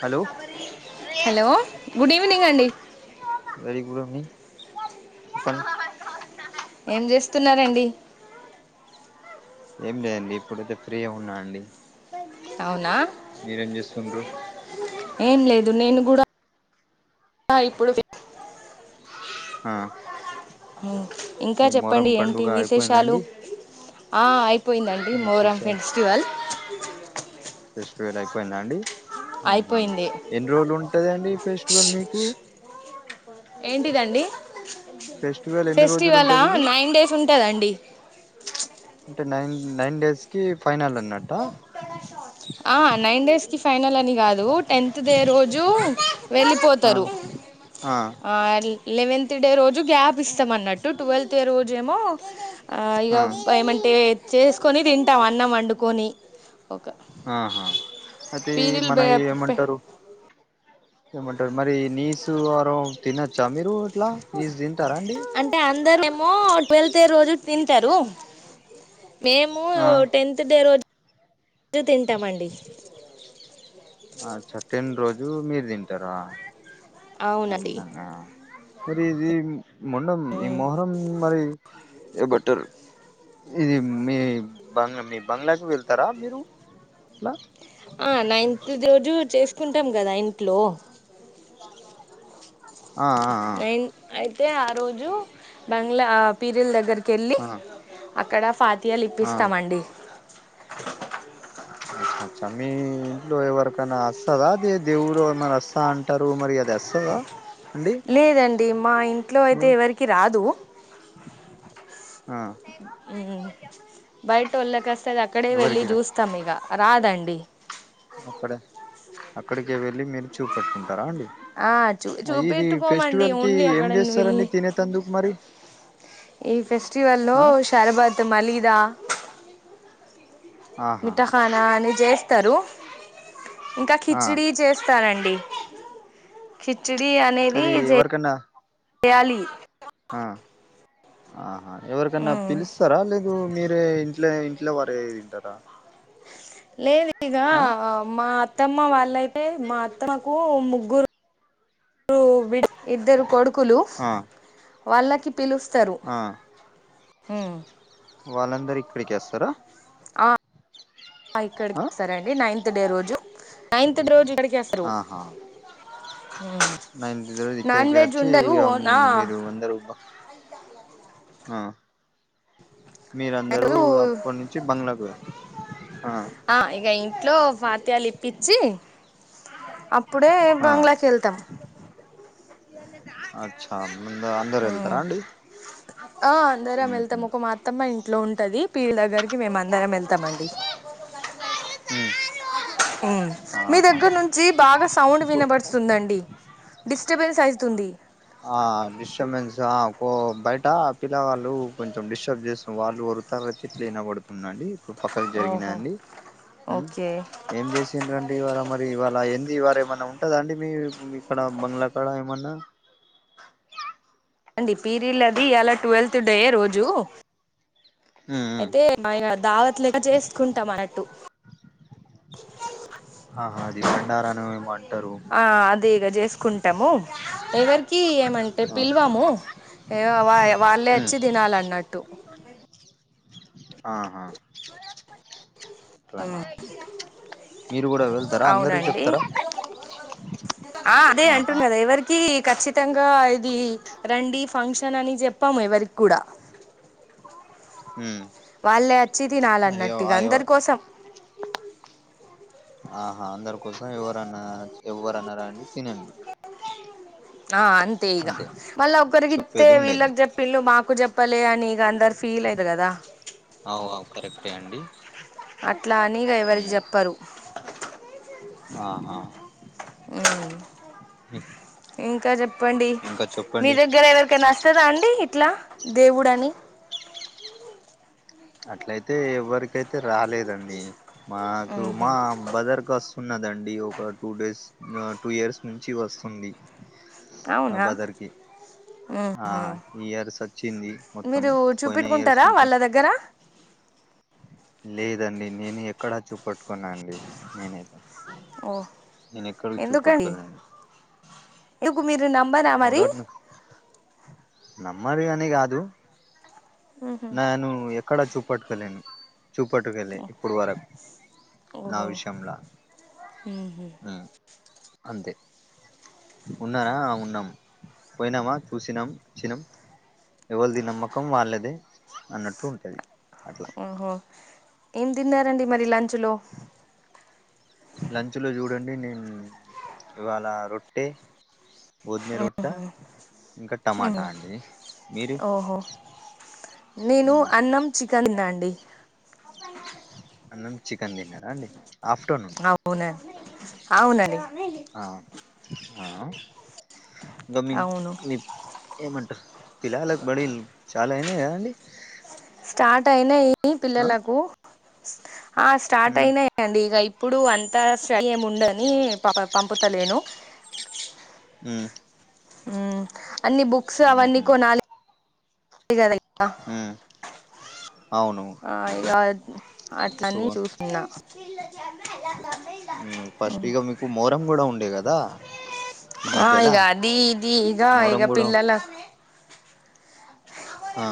Hello hello good evening అండి very good evening చెప్పండి ఏం చేస్తున్నారండి ఏం లేదండి ఇప్పుడైతే ఫ్రీ ఉన్నా అండి అవునా మీరేం చేస్తుండ్రు ఏం లేదు నేను కూడా ఇప్పుడు ఆ ఇంకా ఈ మొహరం చెప్పండి ఏంటి పండుగ అయిపోయిందా విశేషాలు అండి ఆ అయిపోయిందండి మొహరం ఫెస్టివల్ ఫెస్టివేల్ అయిపోయింద అండి అయిపోయింది ఎన్ని రోజులు ఉంటది అండి ఫెస్టివల్ మీకు ఏంటిదండి ఫెస్టివల్ ఎన్ని రోజులు ఫెస్టివలా ఉంటది ఇది నైన్ డేస్ ఉంటదండి అంటే నైన్ నైన్ డేస్ కి ఫైనల్ అన్నట్ట ఆ నైన్ డేస్ కి ఫైనల్ అని కాదు టెన్త్ డే రోజు ఆ వెళ్ళిపోతారు ఆ వేల్ లెవెన్త్ డే రోజు గ్యాప్ ఇస్తామన్నట్టు ట్వెల్త్ డే రోజు ఏమో ఇక ఆ ఏమంటే చేసుకొని తింటాం అన్నం వండుకొని ఒక ఆహా అతే పీరీలు మన బె పె ఏమంటారు ఏమంటారు మరి నీస్ వారం తినొచ్చా మీరు ఇట్లా నీసు తింటారా అండి అంటే అందరేమో ట్వెల్త్ రోజు తింటారు మేము ఆ టెన్త్ డే రోజు తింటామండి ఆ టెన్ రోజు మీరు తింటారా అవునండి అట్లనా మరి ఇది మొండం ఈ మొహరం మరి బట్టరు ఇది మీ బంగ్లా మీ బంగ్లాకి వెళ్తారా మీరు ఎట్లా ఆ నైన్త్ ది రోజు చేసుకుంటాం కదా ఇంట్లో ఆ ఆ నైన్ అయితే ఆ రోజు బంగ్లా పీరిల్ దగ్గరికి వెళ్ళి ఆ అక్కడ ఫాతియాలు ఆ ఇప్పిస్తామండి అచ్చ అచ్చ మీ ఇంట్లో ఎవరికైనా అస్తదా దే దేవుడు ఏమన అస్త అంట అంటారు మరి వస్తదా అండి లేదండి మా ఇంట్లో అయితే ఎవరికి రాదు ఆ బైటోళ్ళకి వస్తది అక్కడే వెళ్ళి ఎవరికి రా చూస్తాం ఇక రాదండి అక్కడే అక్కడికి వెళ్ళి మీరు చూపట్టుడి ఉంటారా అండి ఆ చూ ఇది చూపెట్టుకోమండి ఫెస్టివల్ కి ఓన్లీ ఏం అక్కడ చేస్తారండి వెళ్ళి తినే తందుకు మరి ఈ ఫెస్టివల్ లో ఆ శరబత్ మలీదా ఆహా మిఠాఖానా అని చేస్తారు ఇంకా ఆ కిచడి చేస్త రండి కిచిడి అనేది అది ఎవరికన్నా చేయాలి ఆ ఆహా ఎవరికన్నా ఉమ్, పిలుస్తారా లేదు మీరే లేదా ఇంట్లో వరే తింటారా లేదు ఇక ఆ మా అత్తమ్మ వాళ్ళయితే, మా అత్తమ్మకు ముగ్గురు [unintelligible] ఇద్దరు కొడు కులు ఆ వాళ్ళకి పిలుస్తారు ఆ ఉమ్. వాళ్ళందరు ఇక్కడికే అస్తారా. ఆ ఇక్కడికే అస్తారండి నైన్త్ డే రోజు, నైన్త్ [unintelligible] రోజు ఇక్కడికే అస్తారు. నైన్త్ రోజు ఇక్కడికి వెజ్ అచ్చి ఉండదు ఇగ ఉమ్ ఓనా మీరు అందరు బా ఆ మీరందరూ ఉండదు అప్పటి నుంచి బంగ్లాకు పోయిరు ఆ ఆ ఇగ ఇంట్లో ఫాత్యాలు ఇప్పించి అప్ అప్పుడే ఆ బంగ్లాకేళ్తామ్. అచ్చా ఆ ముందే అందరు ఎళ్తారా అండి ఆ అందరం వెళ్తాం ఉహుమ్. ఒక మా అత్తమ్మ ఇంట్లో ఉంటది, పీరీలా దగ్గరికి మేమ్ అందరం ఎళ్తామండి. ఉమ్ ఉమ్ మీ దగ్గర నుం చి బాగా సౌండ్ ఇప్పుడు వినబడుతుంది అండి, డిస్టబెన్స్ అయితుంది. ఆ డిస్టర్బెన్స్ ఆ కో బయట, పిల్లవాళ్ళు కొంచెం డిస్టర్బ్ జేస్తు వాళ్ళు ఒర్లుతార్రు తిట్లు వినబడుతున్నాండి, ఇప్పుడు పక్కకు ఓహో జరిగినాండి ఉమ్ ఓకే ఏం జేసిన్ రండి ఇవాళ్ళ మరి, ఇవాళ్ళ ఏంది ఇవార ఏమన్నా ఉంటదా అండి మీ, ఇక్కడ బంగ్లా కాడ ఏమన్నా. [inaudible] అండి పీరిళ్ళది ఇయ్యాల ట్వెల్త్ డే రోజు ఉమ్ ఉమ్ అయితే మాయన దావత్ లెక్కా జేసుకుంటాం అన్నట్టు. ఆహా అది [inaudible] బండారాను ఏమో అంటారు ఆ అదే ఇగ జేసుకుంటము, ఎవరికి ఏమంటే ఆ పిల్వము. ఏ వా వాళ్ళే ఉమ్ వచ్చి దినాలి అన్నట్టు. ఆహా అట్లనా. మీరు గూడా వెళ్తారా, అందరు అవునండి చెప్తరా ఆహా. కి ఖచ్చితంగా ఇది రండి ఫంక్షన్ అని జెప్పం ఎవరికి గూడా. ఉమ్ వాళ్ళే అచ్చి అయ్యో తినాలన్నట్టు ఇగ అయ్యో అందరు కోసం. ఆహా అందరు కోసం ఎవరన్నా అచ్, ఎవరన్నా రండి తినండి. ఆ అంతే ఇగా. మళ్ళ ఒకరికిత్తే చెప్పేది ఉండేది వీళ్ళకి జెప్పిళ్ళు, మాకు జెప్పలే అని ఇగా అందరు ఫీల్ అయి [unintelligible] గదా. అవు అవు కరెక్టే అండి. అట్లా అని ఇగా ఎవరికి ఉమ్ జెప్పరు. ఆహా ఉమ్ ఇంకా జెప్పండి, ఇంకా మీ చెప్పండి దగ్గర ఎవరికైనా స్ ఉంటాద అండి ఇట్లా దేవుడు అని. అట్లయితే ఎవ్వరికైతే రాలేదండి, మాకు ఊహు మా బదర్ కస్ ఉన్నదండి, ఒక టూ డేస్, టూ ఇయర్స్ నుంచి వస్తుంది. ఆ అవునా బదర్ కి ఆ ఊహు ఈ ఇయర్స్ ఒచ్చింది మొత్తం, పోయిన ఇయర్స్ కా కొంచెం వాళ్ళ దగ్గర లేదండి, నేను ఎక్కడా చూపెట్టుకొనండి నేనైతే. ఓ నేన్ ఎక్కడ చూపెట్కోలే అండి. ఎగు మీరు నమ్మరా మరి. నమ్మది గని గాదు ఊహు నేనూ ఎక్కడా చూపట్టుకోలేను. చూపట్టుకోలె ఇప్పుడు వరక్ నా ఓహో విషయంలా. ఊహు ఉమ్ అంతే ఉన్నారా ఆ ఉన్నం పోయినామా చూశినం. చినం ఎవళ్ది నమ్మకం వాళ్ళదే అన్నట్టు ఉంటది అట్లా. ఓహో ఏం తిన్నారండి మరి లంచ్ లో లంచ్ లో చూడండి నేన్ ఇవాళ్ళా రొట్టే. గోద్మే రొట్టా ఇంకా ఊహు టమాటా అండి మీరు. ఓహో నేను అన్నం చికెన్ తిన్నా అండి అన్నం చికెన్ తిన్నారా అండి ఆఫ్టర్నూన్. అవునా అవునండి. ఆ ఆ ఇంగ మేం అవును మి ఏమంటరు పిల్లగాళ్లకి బడిల్ చాలా అయినా అండి. స్టార్ట్ అయినయి పిల్లలకూ ఆ స్టార్ట్ ఉమ్ అయినయి. అండి ఇగా ఇప్పుడూ అంతా స్టడీ ఏమీ ఉండని పంపు తలేను. హ్మ్ హ్ము అన్నీ బుక్స్ అవన్నీ ఉహు కొనాలి [inaudible] గదా [inaudible] ఊ అవును ఆ ఇగా సో అట్లనీ చూస్తున్నా ఊ ఫస్ట్ ఇగా మీకు మోహరం గూడా ఉండే గదా ఈ మధ్యలా. దీ ఇగా ఇగ మొహరం కూడా పిల్లల్ లక్ ఆ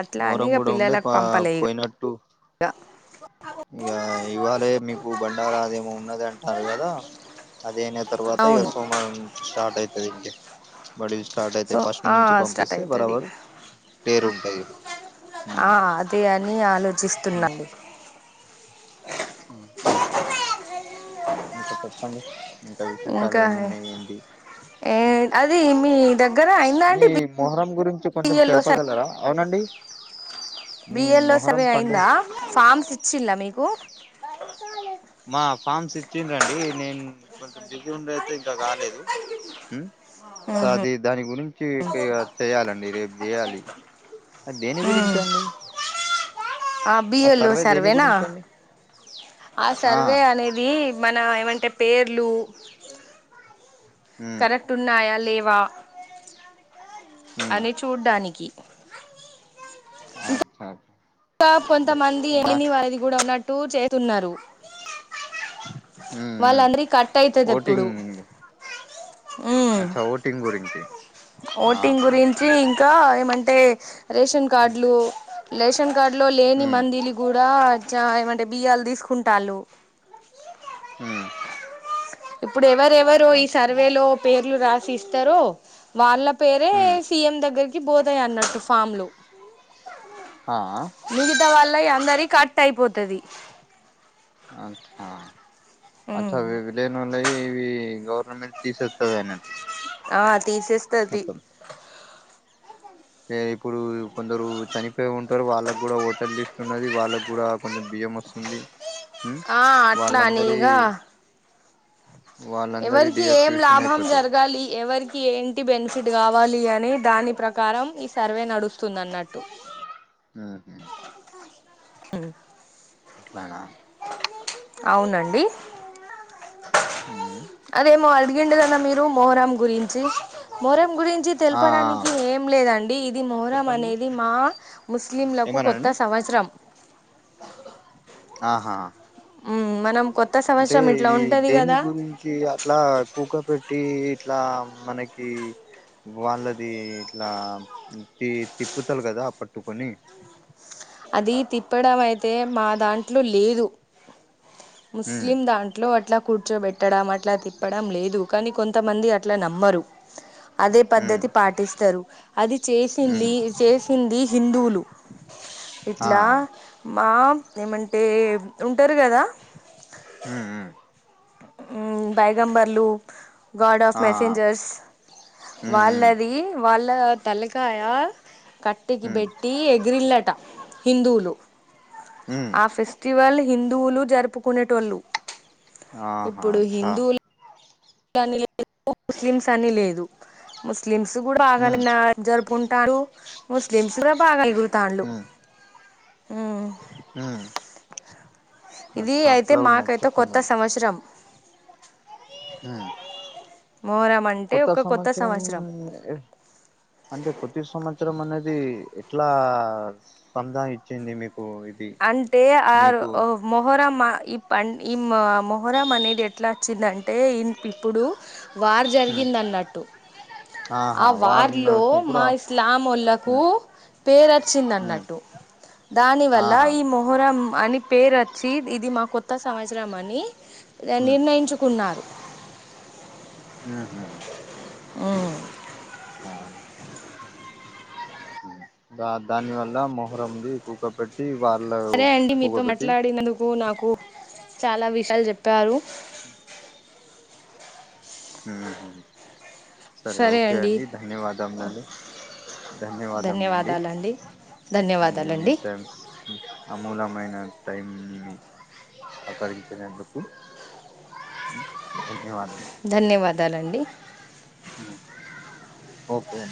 అట్లా అని మోహరం ఇక కూడా ఉండే పిల్లలకు పా పంపలే ఇక పోయినట్టు. ఇక ఇగా ఇవాళే మీకు బండారా అదేమో ఉన్నది అంటారు గదా అదేనె తర్వాతా ఇగా అవును సోమవారం నుంచి స్టార్ట్ అయితది ఇంకె బడిల్ స్టార్ట్ అయితే సో ఫస్ట్ నుంచి స్టార్ట్ పంపిస్తే అవుతుంది ఇక బరాబరు పేరు ఉంటది. ఆ ఉమ్ అదే అని ఆలోచిస్తున్నా అండి. ఊ ఇంకా చెప్పండి ఇంకా విశేషాలు ఇంకా ఏమున్నయి ఏంది. ఏ అది మీ దగ్గర అయిందా మీ అండి మొహరం గురించి కొంచెం బిఎల్లో తెలపగలరా అవునండి. మీ బిఎ ల్లో మొహరం సర్వే పండుగ అయిందా ఫార్మ్స్ ఇచ్చిన్ల మీకు. మా ఫామ్స్ ఇచ్చిండ్రండి నేన్ కొంచెం బిజీ ఉండే అయితే ఇంకా కాలేదు. ఊ సో ఆహా అది దాని గురించి కే చేయాలండి రేపు జెయ్యాలి. అద దేని గురించి అండి. ఆ బిఎల్ఓ సర్వే దేని సర్వేనా గురించి అండి ఆ సర్వే అనేదీ. మనా ఏమంటే పేర్లూ ఉమ్ కరెక్ట్ టున్నాయా లేవా ఉమ్ అని చూడ్డానికి. ఆచ్చాచ్చ కా కొంతమంది ఎమిని వారిది గూడా ఉన్నట్టు చేతున్నరు. ఉమ్ ఉమ్ వాళ్ళందరి కట్ అయితది ఎప్పుడు ఓటింగ్ ఊ టింగ్ గురించి ఓటింగ్ ఆహా గురించీ ఇంకా ఏమంటే. రేషన్ ఉమ్ కార్డులూ లేషన్ కార్డు లో లేని ఉమ్ మందిని గూడ్. డా చా ఏమంటే బియ్యాలు తీసుకుంటాళ్ళు. హ్మ ఇప్పుడు ఎవరెవరు ఈ సర్వేలో పేర్లు రాసి ఇస్తారో వాళ్ళ పేరే సీఎం దగ్గరకి పోతాయి అన్నట్టు ఫామ్లు ఆ మిగతా వాళ్ళయి అందరియి కట్ అయిపోతది అట్నా అచ్చ ఇవి లేనో ఇవి గవర్నమెంట్ తీసేస్తది అన్నట్టు ఆ తీసేస్తది తే ఇప్పుడు కొందరు చనిపోయి ఉంటరు వాళ్ళకి కూడా ఓటర్ లిస్ట్ ఉన్నది వాళ్ళకి కూడా కొంచెం బియ్యం వస్తుంది ఉమ్మ్ ఆ అట్లా అని వాళ్ళందరి ఇగ వాళ్ళందరి ఎవరికి ఏం డియాక్టివేషన్ లాభం అయిపోతాయి జరగాలి ఎవరి కి ఏంటి బెనిఫిట్ కావాలి అని దాని ప్రకారం ఈ సర్వే నడుస్తుంది అన్నట్టు మ్మ్ఉహ్మ్ అట్లగా అవునండి ఉమ్మ్ అదేమో అడిగిండు కద మీరు మొహరం గురించి మొహరం గురించి ఆ ఆ తెలుపడానికి ఏం లేదండి ఇది మొహరం చెప్పండి అనేది మా ముస్లింలకు కొత్త ఏమన్నానండి సంవత్సరం ఆహా ఉమ్మ్ మనం కొత్త అంటే సంవత్సరం ఇట్లా ఇది ఉంటుంది దేని కదా గురిం చి అట్లా కూక పెట్టి ఇట్లా మనకి వాళ్ళది ఇట్లా తి తిప్పుతాళు కదా పట్టుకొని అది తిప్పడం అయితే మా దాంట్లో లేదు ఉమ్ ముస్లిం దాం ట్లో అట్లా కూర్చోబెట్టడం అట్లా తిప్పడం లేదు కానీ కొంతమంది అట్లా నమ్మరు అదే ఉమ్ పద్ధతి పాటిస్తారు అది ఉమ్ చేసింలి చేసింది హిందువులు ఆ ఇట్లా మా ఏమంటే ఉంటారు కదా ఉమ్మ్ ఉమ్మ్ ఉమ్మ్ బైగంబర్లు గాడ్ ఆఫ్ ఆ మెసెంజర్స్ ఉమ్ ఉమ్ వాళ్ళది వాళ్ల తలకాయ కట్టెకి ఉమ్ పెట్టి ఎగిరిల్లట హిందువులు ఉమ్మ్ ఆ ఫెస్టివల్ హిందువులు జరుపుకునేటోళ్ళు ఆహా ఆచ్చ దానిలో [unintelligible] ముస్లిమ్స్ అని లేదు ముస్లిమ్స్ కూడా భగానే ఉమ్ జరుపుకుంటారు ముస్లిమ్స్ కూడా బాగా ఎగురు తాళ్లు ఉమ్మ్ ఉమ్మ్ అచ్చ అట్లా ఉన్నాది చెప్పండి వత్సరం ఉమ్మ్ మొహరం అంటే కొత్త ఒక సంవత్సరం అంటే కొతసంవత్సరం అనేది ఎట్లా స్పందాఇచ్చింది మీకు ఇది అంటే మీకు ఆరో మొహరమ్మా ఈ పం ఈ మ మొహరం అనేది ఎట్లా వచ్చిందంటే ఇన్ ఇప్పుడు వార్ జరిగిందన్నట్టు ఆహా ఆ వారం వార్లో వచ్చినప్పుడు మా ఇస్లాం ఓళ్ళకు పేరచ్చిందన్నట్టు దానివల్ ఆహా మొహరం అని పేరచ్చి ఇది మా కొత్త సంవత్సరమని అ నిర్ణయించు కున్నారు ఆహా ఊ శ్రావణి దా దాని వల్ల మొహరంది కూకపె ట్టి వాళ్ళ సరే అండి మీతో కూకబెట్టి మాట్లాడినందుకు నాకూ చాలా విషయాలు జెప్పారు ఊహు సరే ఓకే అండి ధన్యవాదాములండి ధన్యవాదములండి ధన్యవాదాలండి నేనీ ధన్యవాదాలండి టైమ్స్ అమూలమైన టైంని సహకరించినందుకు ధన్యవా ధన్యవాదాలండి అ ఓకే